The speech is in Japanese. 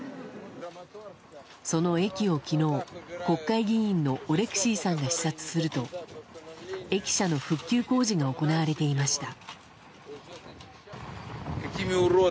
その駅を昨日、国会議員のオレクシーさんが視察すると駅舎の復旧工事が行われていました。